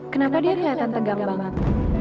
kenapa dia kelihatan tegang banget